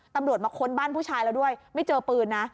ตำรวจมาค้นบ้านผู้ชายแล้วด้วยไม่เจอปืนนะ